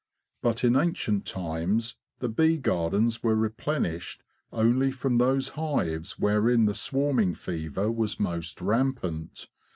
But in ancient times the bee gardens were replenished only from those hives wherein the swarming fever was most rampant.